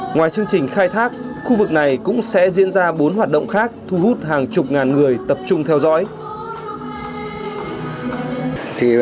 ngoài chương trình khai thác khu vực này cũng sẽ diễn ra bốn hoạt động khác thu hút hàng chục ngàn người tập trung theo dõi